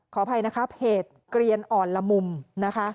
ขออภัยนะคะเพจเกลียนอ่อนละมุมนะคะ